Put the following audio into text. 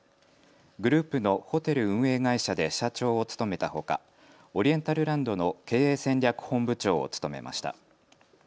グループのホテル運営会社で社長を務めたほかオリエンタルランドの経営戦略本部長を務めました。